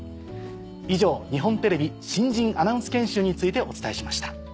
以上日本テレビ新人アナウンス研修についてお伝えしました。